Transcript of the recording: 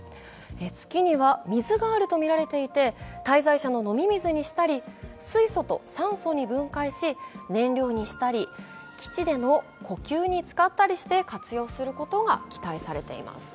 月には水があるとみられていて、滞在者の飲み水にしたり、酸素と水素に分解し、燃料にしたり、基地での呼吸に使ったりして活用することが期待されています。